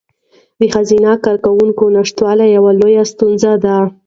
د ښځینه کارکوونکو نشتوالی یوه لویه ستونزه ده.